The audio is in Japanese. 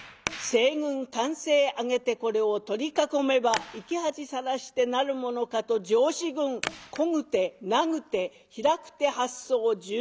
西軍歓声上げてこれを取り囲めば生き恥さらしてなるものかと娘子軍こぐてなぐてひらくて八相十文字。